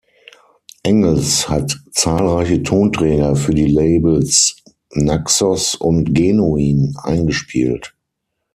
Engels hat zahlreiche Tonträger für die Labels Naxos und Genuin eingespielt.